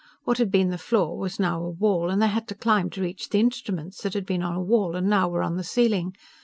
What had been the floor was now a wall, and they had to climb to reach the instruments that had been on a wall and now were on the ceiling.